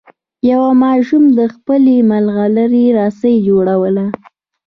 یوه ماشوم د خپلې ملغلرې رسۍ جوړوله.